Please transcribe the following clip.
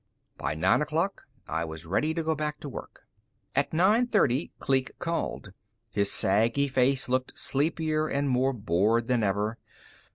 By nine o'clock, I was ready to go back to work. At nine thirty, Kleek called. His saggy face looked sleepier and more bored than ever.